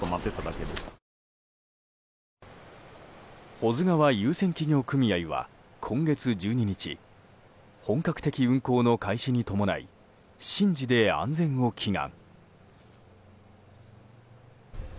保津川遊船企業組合は今月１２日本格的運航の開始に伴い神事で安全を祈願。